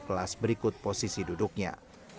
kelas berikut posisi duduknya